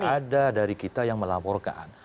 ada dari kita yang melaporkan